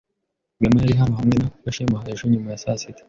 Rwema yari hano hamwe na Gashema ejo nyuma ya saa sita.